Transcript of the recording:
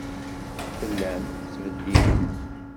Tellam tettbeddilem.